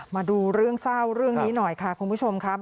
มาดูเรื่องเศร้าเรื่องนี้หน่อยค่ะคุณผู้ชมครับ